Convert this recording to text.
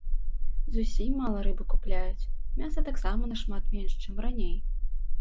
Зусім мала рыбы купляюць, мяса таксама нашмат менш, чым раней.